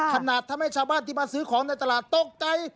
ทำให้ชาวบ้านที่มาซื้อของในตลาดตกใจ